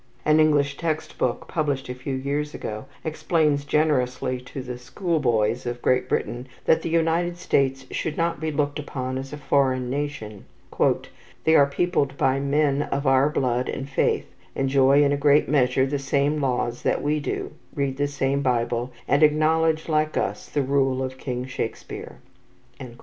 An English text book, published a few years ago, explains generously to the school boys of Great Britain that the United States should not be looked upon as a foreign nation. "They are peopled by men of our blood and faith, enjoy in a great measure the same laws that we do, read the same Bible, and acknowledge, like us, the rule of King Shakespeare."